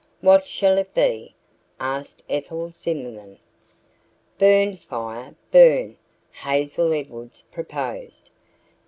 "What shall it be?" asked Ethel Zimmerman. "Burn Fire, Burn," Hazel Edwards proposed.